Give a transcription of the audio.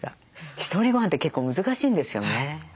ひとりごはんって結構難しいんですよね。